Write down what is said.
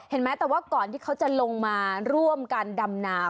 เห็นมั้ยก่อนที่เขาจะลงมาร่วมกันดำหนา